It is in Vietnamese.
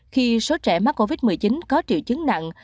khi số trẻ mắc covid một mươi chín có triệu chứng nặng